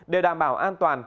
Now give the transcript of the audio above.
để đảm bảo an toàn